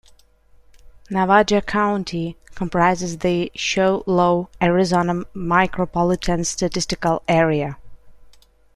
Navajo County comprises the Show Low, Arizona Micropolitan Statistical Area.